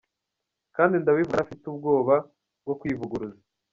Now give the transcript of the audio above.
Kandi ndabivuga ntafite ubwoba bwo kwivuguruza”.